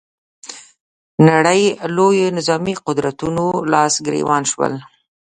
نړۍ لویو نظامي قدرتونو لاس ګرېوان شول